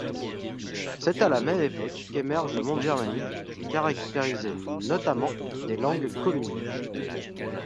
C'est à la même époque qu'émerge le monde germanique, caractérisé notamment des langues communes.